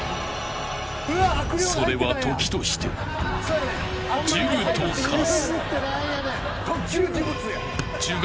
それは時として呪具と化す。